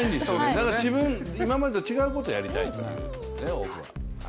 だから今までと違うことをやりたいという、オフは。